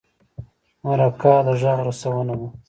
مرکه د غږ رسونه ده.